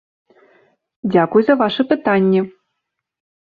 Дзякуй за вашы пытанні!